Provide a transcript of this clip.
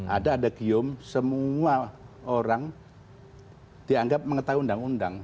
ada ada gium semua orang dianggap mengetahui undang undang